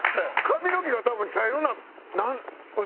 髪の毛が多分茶色なん？